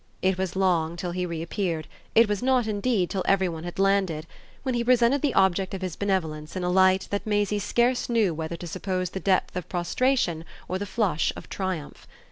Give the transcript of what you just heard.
It was long till he reappeared it was not indeed till every one had landed; when he presented the object of his benevolence in a light that Maisie scarce knew whether to suppose the depth of prostration or the flush of triumph.